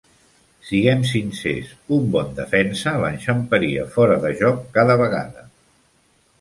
Siguem sincers, un bon defensa l'enxamparia fora de joc cada vegada.